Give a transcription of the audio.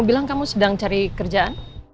bilang kamu sedang cari kerjaan